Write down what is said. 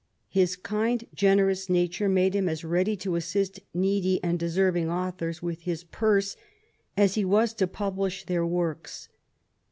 His kind, generous nature made him as ready to assist needy and deserving authors with his parse as he was to publish their works.